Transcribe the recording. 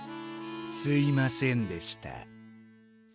すいませんでした。